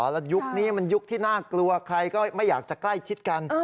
แล้วยุคนี้มันยุคที่น่ากลัวใครก็ไม่อยากจะใกล้ชิดกัน